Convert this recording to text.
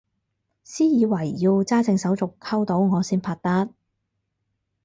私以為要揸正手續溝到我先拍得